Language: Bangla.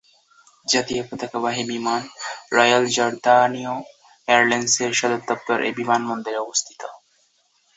জাতীয় পতাকাবাহী বিমান, রয়াল জর্দানীয় এয়ারলাইন্সের সদরদপ্তর এই বিমানবন্দরে অবস্থিত।